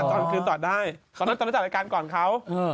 ตอนคืนจาดได้ตอนทางแล้วกันก่อนเขา